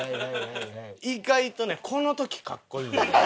意外とねこの時格好いい。